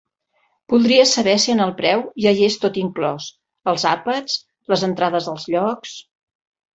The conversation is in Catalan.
Voldria saber si en el preu ja hi és tot inclòs: els àpats, les entrades als llocs...